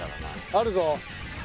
あるぞ。